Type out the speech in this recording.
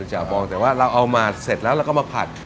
เป็นจ่าวบองแต่ว่าเราเอามาเสร็จแล้วแล้วก็มาผัด